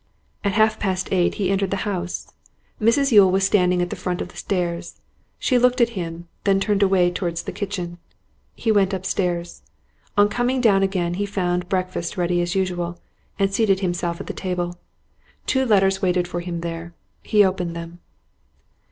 At half past eight he entered the house. Mrs Yule was standing at the foot of the stairs; she looked at him, then turned away towards the kitchen. He went upstairs. On coming down again he found breakfast ready as usual, and seated himself at the table. Two letters waited for him there; he opened them.